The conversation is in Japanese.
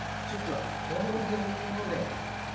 ちょっとわかりませんもんで。